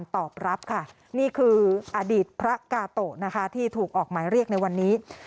ตอบรับค่ะนี่คืออดีตพระกาโตะนะคะที่ถูกออกหมายเรียกในวันนี้